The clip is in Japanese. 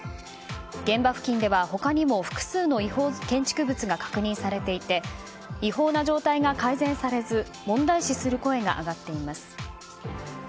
現場付近では、他にも複数の違法建築物が確認されていて違法な状態が改善されず問題視する声が上がっています。